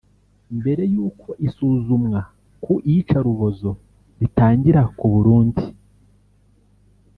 Mbere y’uko isuzumwa ku iyicarubozo ritangira ku Burundi